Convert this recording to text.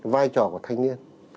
vai trò của thanh niên